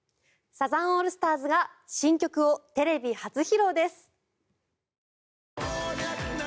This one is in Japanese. サザンオールスターズが新曲をテレビ初披露です。